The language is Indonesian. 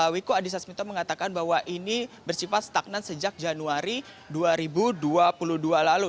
wikubank mengatakan bahwa ini bersifat stagnan sejak januari dua ribu dua puluh dua lalu